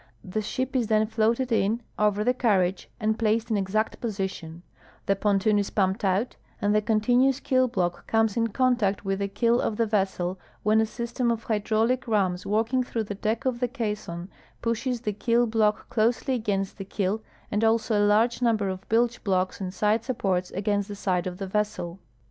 The ship is then tloated in over the carriage and placed in exact position, the pontoon is pmni)ed out, and the continuous keel block comes in contact with the keel of the vessel, Avhen a system of hydraulic rams working through the deck of the caisson pushes the keel block closel}" against the keel and also a large number of 1 >ilge blocks and side supports against the side of the vessel.